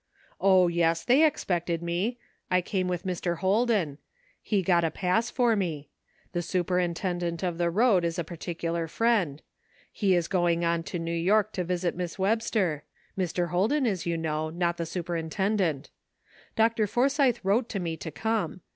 O, yes ! they expected me ; I came with Mr. Holden. He got a pass for me. The superintendent of the road is a particular friend. He is going on to New York to visit Miss Webster — Mr. Holden is, you know, not the superintendent. Dr. Forsythe wrote to me to come.